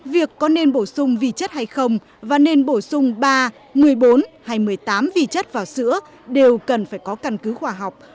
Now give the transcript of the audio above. việc có nên bổ sung vị chất hay không và nên bổ sung ba một mươi bốn hay một mươi tám vị chất vào sữa đều cần phải có căn cứ khoa học